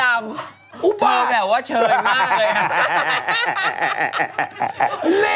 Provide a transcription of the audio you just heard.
เห็นแบบว่าเชยมากเลยหรือคะ